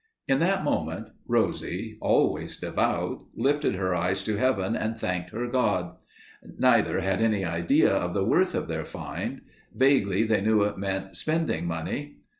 In that moment, Rosie, always devout, lifted her eyes to heaven and thanked her God. Neither had any idea of the worth of their find. Vaguely they knew it meant spending money.